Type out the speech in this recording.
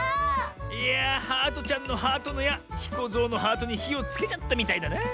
いやハートちゃんのハートのやひこぞうのハートにひをつけちゃったみたいだな。